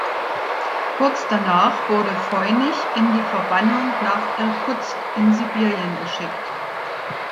Kurz danach wurde Voynich in die Verbannung nach Irkutsk in Sibirien geschickt.